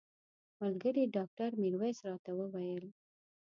ملګري ډاکټر میرویس راته وویل.